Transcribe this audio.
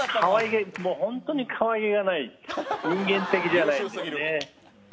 本当にかわいげがない、人間的じゃないですね。